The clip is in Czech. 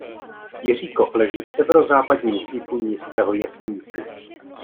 Jiříkov leží v severozápadním cípu Nízkého Jeseníku.